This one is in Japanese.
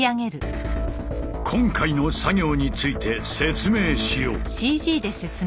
今回の作業について説明しよう。